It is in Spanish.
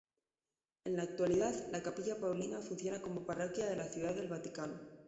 En la actualidad, la Capilla Paulina funciona como parroquia de la Ciudad del Vaticano.